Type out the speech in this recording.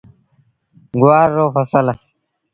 گُوآر رو ڦسل۔